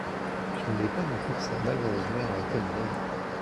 Je n'oublie pas non plus que sa malheureuse mère a été mon amie.